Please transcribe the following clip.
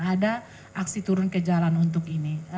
ada aksi turun ke jalan untuk ini